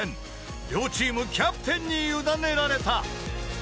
［両チームキャプテンに委ねられた］